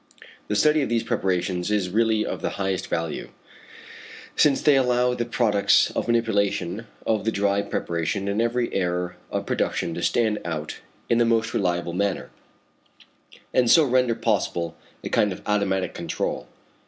The study of these preparations is really of the highest value, since they allow the products of manipulation of the dry preparation and every error of production to stand out in the most reliable manner, and so render possible a kind of automatic control.